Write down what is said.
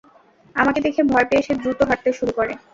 আমাকে দেখে ভয় পেয়ে সে দ্রুত হাঁটতে শুরু করে।